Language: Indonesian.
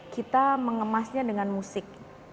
kita mengemasnya dengan musik